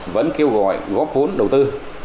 vẫn kêu gọi góp vốn đầu tư